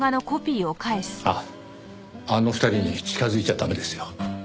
あっあの２人に近づいちゃ駄目ですよ。